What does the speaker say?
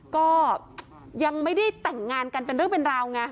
ก็ยังไม่ได้แต่งงานกันเป็นเรื่องเป็นราวไง